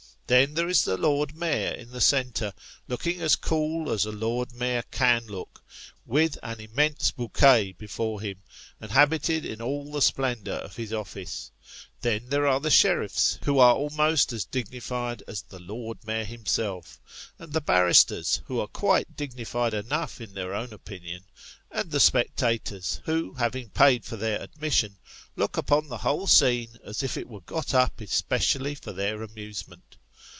Then, there is the Lord Mayor in the centre, looking as cool as a Lord Mayor can look, with an immense bouquet before him, and habited in all the splendour of his office. Then, there are the Sheriffs, who are almost as dignified as the Lord Mayor himself; and the Barristers, who are quite dignified enough in their own opinion ; and the spectators, who having paid for their admission, look upon the whole scene as if it were got up especially for their amusement.